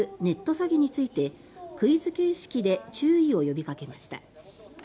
詐欺についてクイズ形式で注意を呼びかけました。